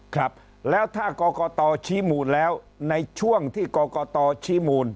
ครับแล้วถ้ากรกตชี้มูลแล้วในช่วงที่กรกตชี้มูล